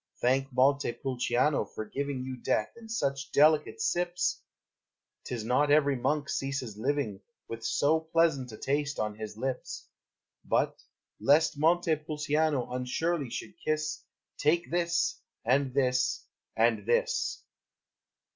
Thank Montepulciano for giving You death in such delicate sips; 'T is not every monk ceases living With so pleasant a taste on his lips; But, lest Montepulciano unsurely should kiss, Take this! and this! and this!